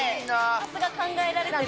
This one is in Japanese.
さすが考えられてる。